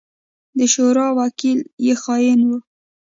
د شورا وکيل يې خائن وو.